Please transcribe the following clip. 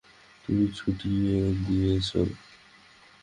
তুমিই ছুটিয়ে দিয়েছ।